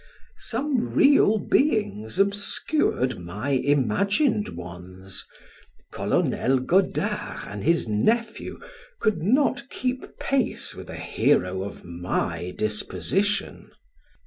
Some real beings obscured my imagined ones Colonel Godard and his nephew could not keep pace with a hero of my disposition.